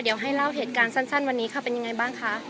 เดี๋ยวให้เล่าเหตุการณ์สั้นวันนี้ค่ะเป็นยังไงบ้างคะ